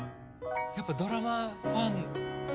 やっぱドラマファン。